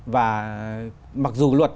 và mặc dù luật